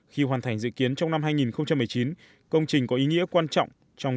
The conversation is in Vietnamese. khi hoàn thành dự kiến trong năm hai nghìn một mươi chín công trình có ý nghĩa quan trọng trong